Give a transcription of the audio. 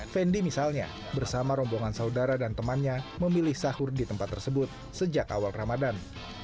fendi misalnya bersama rombongan saudara dan temannya memilih sahur di tempat tersebut sejak awal ramadan